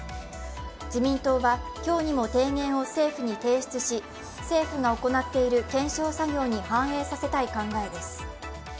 自民党は今日にも提言を政府に提出し政府がおこでいる検証作業に反映させたい考えです。